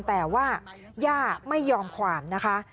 แต่ว่าย่าไม่ยอมความนะคะ